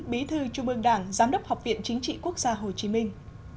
bí thư trung ương đảng giám đốc học viện chính trị quốc gia hồ chí minh